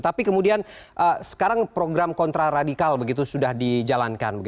tapi kemudian sekarang program kontraradikal begitu sudah dijalankan